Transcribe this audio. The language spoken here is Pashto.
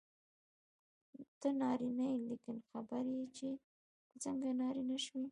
ته نارینه یې لیکن خبر یې چې ته څنګه نارینه شوې.